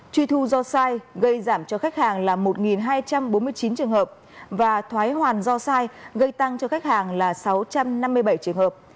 truy thu do sai gây giảm cho khách hàng là một hai trăm bốn mươi chín trường hợp và thoái hoàn do sai gây tăng cho khách hàng là sáu trăm năm mươi bảy trường hợp